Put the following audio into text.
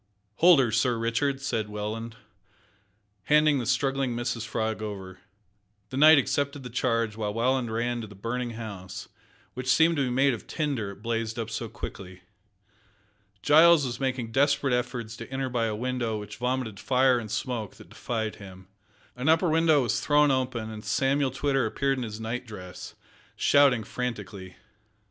"Hold her, Sir Richard," said Welland, handing the struggling Mrs Frog over. The knight accepted the charge, while Welland ran to the burning house, which seemed to be made of tinder, it blazed up so quickly. Giles was making desperate efforts to enter by a window which vomited fire and smoke that defied him. An upper window was thrown open, and Samuel Twitter appeared in his night dress, shouting frantically.